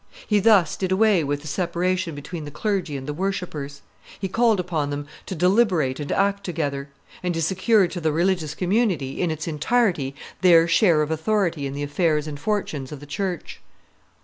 He thus did away with the separation between the clergy and the worshippers; he called upon them to deliberate and act together; and he secured to the religious community, in its entirety, their share of authority in the affairs and fortunes of the church.